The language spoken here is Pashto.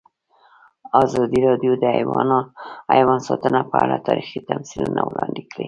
ازادي راډیو د حیوان ساتنه په اړه تاریخي تمثیلونه وړاندې کړي.